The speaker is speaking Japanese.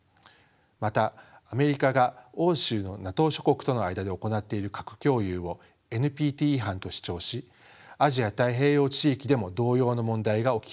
またアメリカが欧州のＮＡＴＯ諸国との間で行っている核共有をＮＰＴ違反と主張しアジア太平洋地域でも同様の問題が起きかねないと論じました。